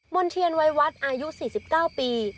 มลเทียนไววัฒน์อายุ๔๙ปี